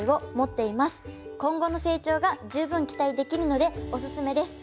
今後の成長が十分期待できるのでおすすめです。